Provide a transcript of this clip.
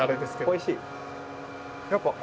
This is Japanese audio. おいしい！